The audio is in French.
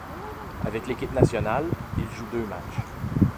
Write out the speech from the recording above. Avec l'équipe nationale, il joue deux matchs.